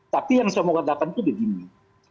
tapi yang saya mau katakan itu begini